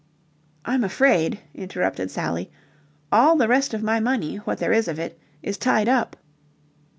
"I'm afraid," interrupted Sally, "all the rest of my money, what there is of it, is tied up."